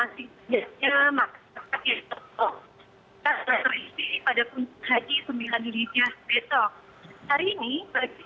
selamat pagi waktu ter saudi dan selamat siang waktu indonesia